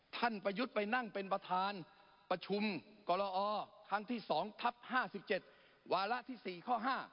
ประยุทธ์ไปนั่งเป็นประธานประชุมกลอครั้งที่๒ทับ๕๗วาระที่๔ข้อ๕